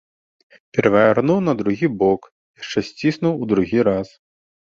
Перавярнуў на другі бок, яшчэ сціснуў у другі раз.